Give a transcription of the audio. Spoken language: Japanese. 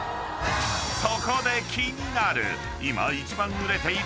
［そこで気になる］